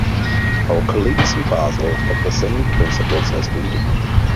Our colleagues in Basel have the same principles as we do.